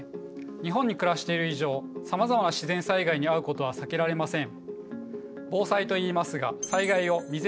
日本に暮らしている以上さまざまな自然災害に遭うことは避けられません。